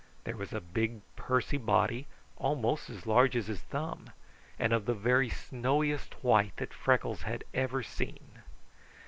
There was a big pursy body, almost as large as his thumb, and of the very snowiest white that Freckles ever had seen.